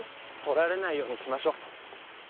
とられないようにしましょう。